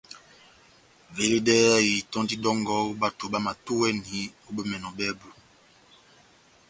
Veledɛhɛ itɔ́ndi dɔ́ngɔ ó bato bámatúwɛni ó bemɛnɔ bábu.